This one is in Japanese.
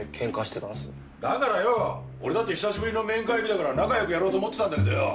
だからよ俺だって久しぶりの面会日だから仲良くやろうと思ってたんだけどよ。